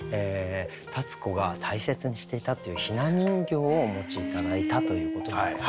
立子が大切にしていたっていう雛人形をお持ち頂いたということなんですね。